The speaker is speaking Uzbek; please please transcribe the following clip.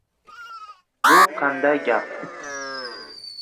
— Bu qanday gap?